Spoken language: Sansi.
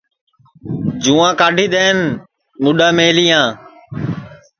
جُوںٚئا کاڈھی دؔئن مُڈؔا مِلیاں